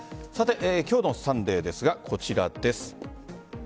今日の「サンデー」ですがこちらです。